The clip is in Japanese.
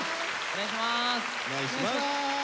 お願いします！